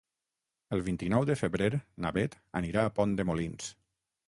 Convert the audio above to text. El vint-i-nou de febrer na Beth anirà a Pont de Molins.